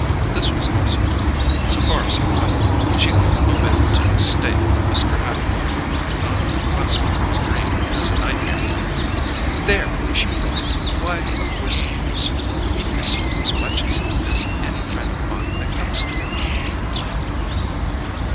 This also was true, so far as it went; she only omitted to state that Mr. Atwater had gone on to classify his dream as a nightmare. "There!" she cried. "Why, of course he'd miss you he'd miss you as much as he'd miss any friend of mine that comes here."